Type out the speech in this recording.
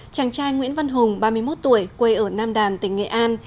chàng trai nguyễn văn hùng ba mươi một tuổi quê ở nam đàn tỉnh nghệ an